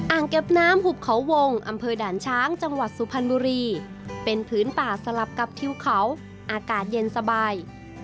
เก็บน้ำหุบเขาวงอำเภอด่านช้างจังหวัดสุพรรณบุรีเป็นพื้นป่าสลับกับทิวเขาอากาศเย็นสบาย